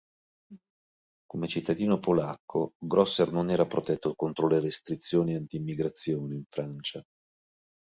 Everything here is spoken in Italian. Come cittadino polacco, Grosser non era protetto contro le restrizioni anti-immigrazione in Francia.